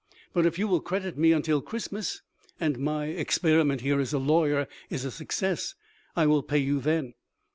But if you will credit me until Christmas, and my experiment here as a lawyer is a success, I will pay you then.